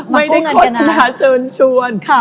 ไม่ได้คบหาเชิญชวน